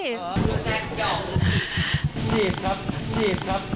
รู้สึกว่าแซ็กยอกหรือก